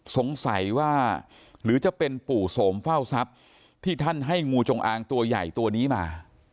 สงสัยว่าหรือจะเป็นปู่โสมเฝ้าทรัพย์ที่ท่านให้งูจงอางตัวใหญ่ตัวนี้มา